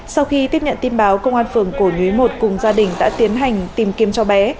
sau khi tiếp nhận tin báo công an phường cổ nhuế một cùng gia đình đã tiến hành tìm kiếm cho bé